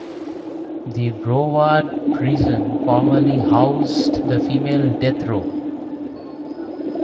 The Broward prison formerly housed the female death row.